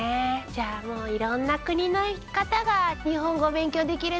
じゃあもういろんな国の方が日本語を勉強できるのね。